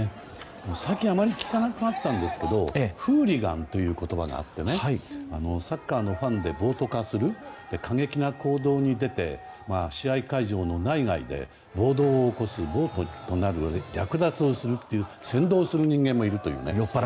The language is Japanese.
最近あまり聞かなくなったんですがフーリガンという言葉があってサッカーのファンで暴徒化する過激な行動に出て試合会場の内外で暴動を起こす暴徒となり略奪を起こし扇動する人間もいるというね。